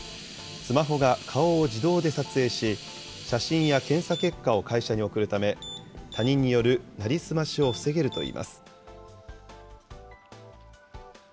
スマホが顔を自動で撮影し、写真や検査結果を会社に送るため、他人による成り済ましを防げるといいます。